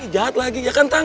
jahat lagi ya kan